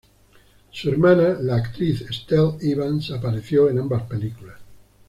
Su hermana, la actriz Estelle Evans, apareció en ambas películas.